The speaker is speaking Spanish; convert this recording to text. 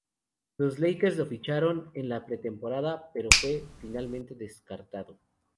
Los Lakers lo ficharon en la pretemporada, pero fue finalmente descartado.